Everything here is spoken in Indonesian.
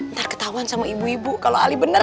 ntar ketahuan sama ibu ibu kalo ali bener